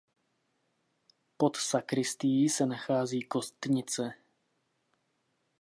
Pod sakristií se nachází kostnice.